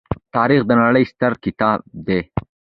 تاریخ د نړۍ ستر کتاب دی.